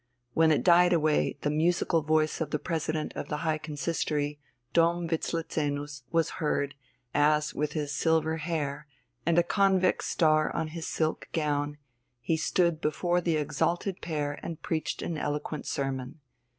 When it died away, the musical voice of the President of the High Consistory, Dom Wislezenus, was heard, as with his silver hair, and a convex star on his silk gown, he stood before the exalted pair and preached an eloquent sermon.